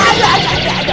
aduh aduh aduh